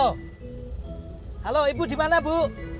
halo ibu di mana bu